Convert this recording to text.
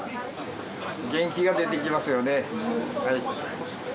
元気が出てきますよね。